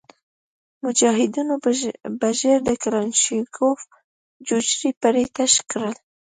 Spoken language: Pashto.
مجاهدینو به ژر د کلشینکوف ججوري پرې تش کړ.